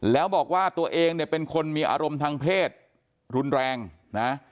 แล้วบอกว่าตัวเองเนี่ยเป็นคนมีอารมณ์ทางเพศรุนแรงนะ